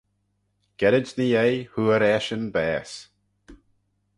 Gerrid ny yei hooar eshyn baase.